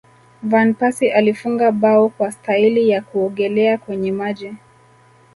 van persie alifunga bao kwa staili ya kuogelea kwenye maji